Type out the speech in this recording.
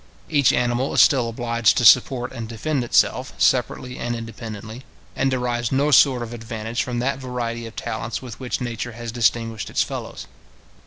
Each animal is still obliged to support and defend itself, separately and independently, and derives no sort of advantage from that variety of talents with which nature has distinguished its fellows.